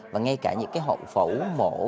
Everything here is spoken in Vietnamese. và ngay cả những cái hộ phẫu mổ